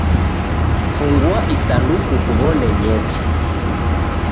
Fungua isanduku kuw'one ny'eche.